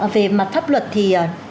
về mặt pháp luật thì